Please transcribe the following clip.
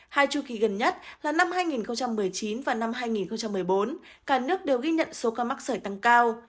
hai chu kỳ gần nhất là năm hai nghìn một mươi chín và năm hai nghìn một mươi bốn cả nước đều ghi nhận số ca mắc sởi tăng cao